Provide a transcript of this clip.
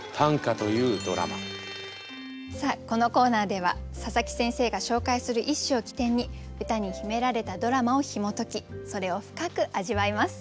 このコーナーでは佐佐木先生が紹介する一首を起点に歌に秘められたドラマをひも解きそれを深く味わいます。